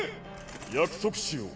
約束しよう。